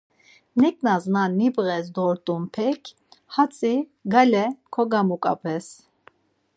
Neǩnas na nibğes dort̆unpek hatzi gale kogamuǩap̌es.